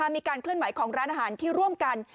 มีการเคลื่อนไหวของร้านอาหารที่ร่วมกัน